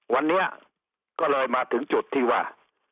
วันนี้ก็เลยมาถึงจุดที่ว่า